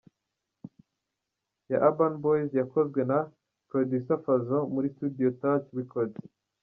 ya Urban Boyz yakozwe na Producer Fazzo muri Studio Touch Records.